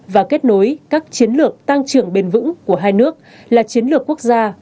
và kết nối các chiến lược tăng trưởng bền vững của hai nước là chiến lược quốc gia